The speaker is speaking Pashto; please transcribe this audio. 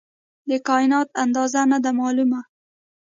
د کائنات اندازه نه ده معلومه.